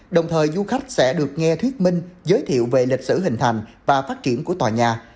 đồng thời du khách sẽ được nghe thuyết minh giới thiệu về lịch sử hình thành và phát triển của tòa nhà